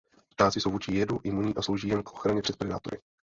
Ptáci jsou vůči jedu imunní a slouží jim k ochraně před predátory.